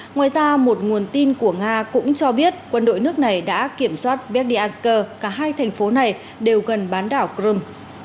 ngoài ra một nguồn tin của nga cũng cho biết quân đội nước này đã kiểm soát berlinsk cả hai thành phố này đều gần bán đảo crimea